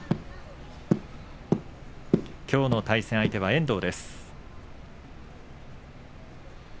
きょうの対戦相手は遠藤。